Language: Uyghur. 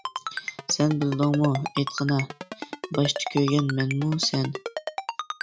سەن بىلدىڭمۇ ئېيتقىنا، باشتا كۆيگەن مەنمۇ سەن؟ !